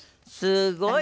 すごい！